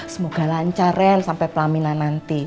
semoga lancar ren sampai pelaminan nanti